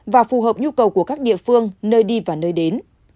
và phù hợp nhu cầu của các địa phương nơi đi và nơi đến